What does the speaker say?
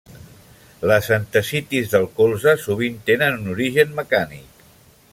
Les entesitis del colze sovint tenen un origen mecànic.